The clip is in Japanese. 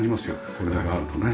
これだけあるとね。